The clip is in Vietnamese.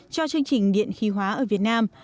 cho chương trình điện khí hóa ở việt nam